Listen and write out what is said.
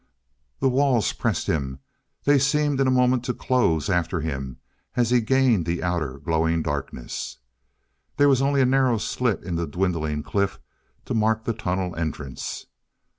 The walls pressed him; they seemed in a moment to close after him as he gained the outer glowing darkness.... There was only a narrow slit in the dwindling cliff to mark the tunnel entrance.